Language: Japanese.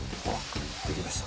できました。